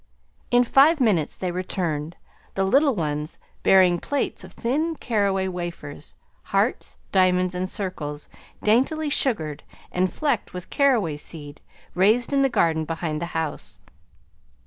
In five minutes they returned, the little ones bearing plates of thin caraway wafers, hearts, diamonds, and circles daintily sugared, and flecked with caraway seed raised in the garden behind the house.